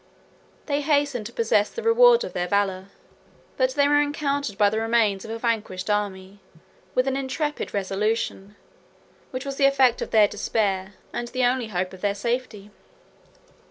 They hastened to possess the reward of their valor; but they were encountered by the remains of a vanquished army, with an intrepid resolution, which was the effect of their despair, and the only hope of their safety.